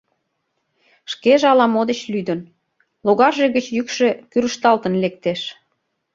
Шкеже ала-мо деч лӱдын, логарже гыч йӱкшӧ кӱрышталтын лектеш.